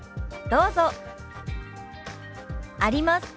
どうぞ。